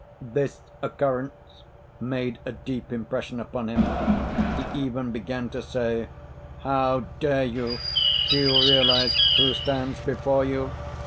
This occurrence made a deep impression upon him. He even began to say: "How dare you? do you realise who stands before you?"